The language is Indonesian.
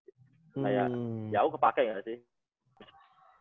kayak ya aku kepake nggak sih